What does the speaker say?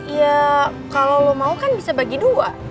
ya kalau lo mau kan bisa bagi dua